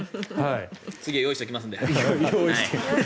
次は用意しておきますので。